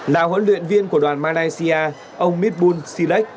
là huấn luyện viên của đoàn malaysia ông mitbul silek